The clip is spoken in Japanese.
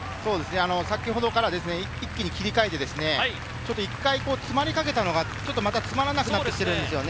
先ほどから一気に切り替えて、１回詰まりかけたのが詰らなくなってきてるんですよね。